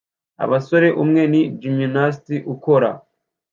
abasore umwe ni gymnast ukora